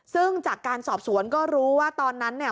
ซึ่งจากการสอบสวนก็รู้ว่าตอนนั้นเนี่ย